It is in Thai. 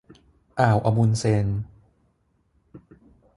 อ่าวอะมุนด์เซน